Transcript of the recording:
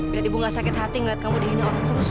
biar ibu gak sakit hati ngeliat kamu dihina terus